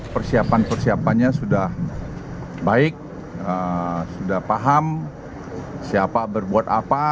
persiapan persiapannya sudah baik sudah paham siapa berbuat apa